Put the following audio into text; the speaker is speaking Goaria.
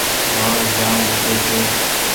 وآڙ جآم موٽي ڇي ۔